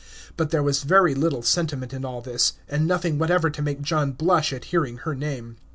But there was very little sentiment in all this, and nothing whatever to make John blush at hearing her name.